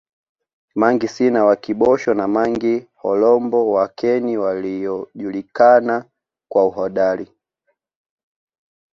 Mangi Sina wa Kibosho na Mangi Horombo wa Keni waliojulikana kwa uhodari